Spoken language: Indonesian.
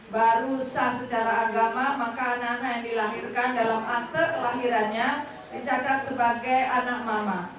barusan secara agama maka anak anak yang dilahirkan dalam akte kelahirannya dicatat sebagai anak mama